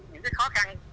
những cái khó khăn